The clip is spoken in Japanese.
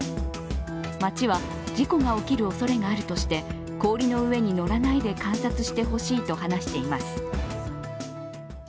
町は事故が起きるおそれがあるとして氷の上に乗らないで観察してほしいと話しています。